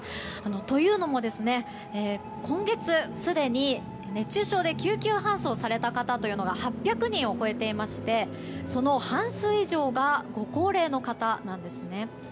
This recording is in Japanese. というのも、今月すでに熱中症で救急搬送された方というのが８００人を超えていましてその半数以上がご高齢の方なんですね。